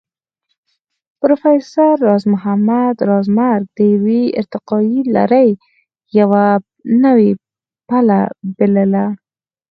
پروفېسر راز محمد راز مرګ د يوې ارتقائي لړۍ يوه نوې پله بلله